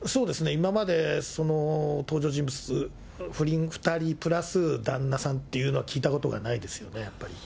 今まで、登場人物、不倫２人プラス旦那さんっていうのは、聞いたことがないですよね、やっぱり。